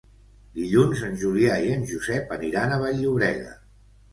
Dilluns en Julià i en Josep aniran a Vall-llobrega.